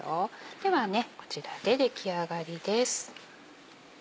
ではこちらで出来上がりです。